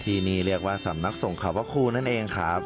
ที่นี่เรียกว่าสำนักสงขวะครูนั่นเองครับ